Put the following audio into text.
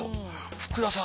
福田さん。